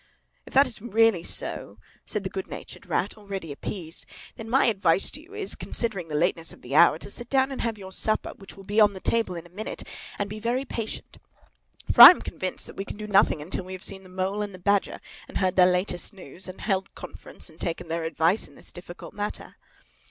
"If that is really so," said the good natured Rat, already appeased, "then my advice to you is, considering the lateness of the hour, to sit down and have your supper, which will be on the table in a minute, and be very patient. For I am convinced that we can do nothing until we have seen the Mole and the Badger, and heard their latest news, and held conference and taken their advice in this difficult matter."